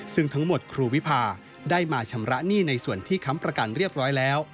ซึ่งทั้งหมดครูวิพาได้มาชำระหนี้ในส่วนที่ค้ำประกันเรียบร้อยแล้ว